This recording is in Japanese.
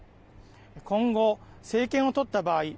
今後、政権を取った場合